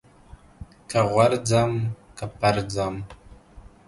که غورځم که پرځم.